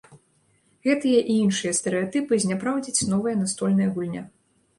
Гэтыя і іншыя стэрэатыпы зняпраўдзіць новая настольная гульня.